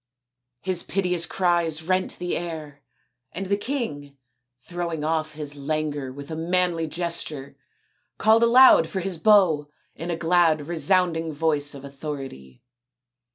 His piteous cries rent the air, and the king, throwing off his languor with a manly gesture, called aloud for his bow in a glad resounding voice of authority.